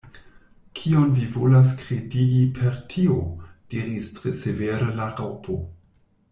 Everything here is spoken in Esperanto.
"Kion vi volas kredigi per tio?" diris tre severe la Raŭpo.